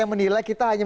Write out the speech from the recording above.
yang menilai kita hanya